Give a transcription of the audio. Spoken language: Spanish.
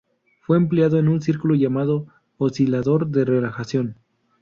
Fue empleado en un circuito llamado oscilador de relajación.